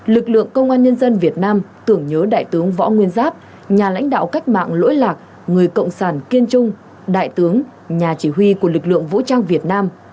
lực lượng công an nhân dân việt nam tưởng nhớ đại tướng võ nguyên giáp nhà lãnh đạo cách mạng lỗi lạc người cộng sản kiên trung đại tướng nhà chỉ huy của lực lượng vũ trang việt nam